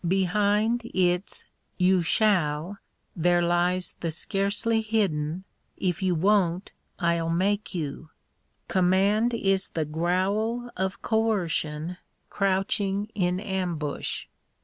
Behind its " You Bhall," there lies the scarcely hidden " If you won't, I '11 make you." Command is the growl of coercion crouching in ambush.